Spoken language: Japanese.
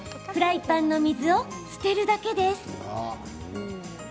フライパンの水を捨てるだけです。